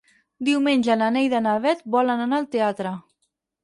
Diumenge na Neida i na Bet volen anar al teatre.